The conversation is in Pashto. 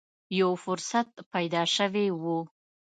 یو فرصت پیدا شوې و